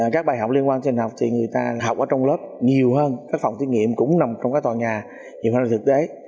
các bài học liên quan trên đại học thì người ta học ở trong lớp nhiều hơn các phòng thí nghiệm cũng nằm trong các tòa nhà nhiều hơn là thực tế